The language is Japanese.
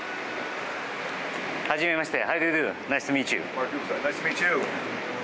はじめまして。